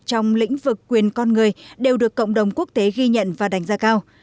trong lĩnh vực quyền con người đều được cộng đồng quốc tế ghi nhận và đánh giá cao